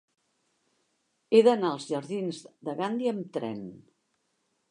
He d'anar als jardins de Gandhi amb tren.